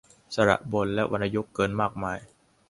สระบนและวรรณยุกต์เกินมากมาย